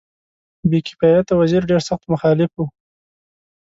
بې کفایته وزیر ډېر سخت مخالف وو.